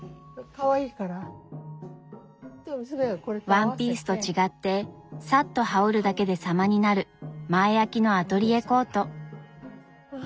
ワンピースと違ってさっと羽織るだけで様になる前あきのアトリエコート。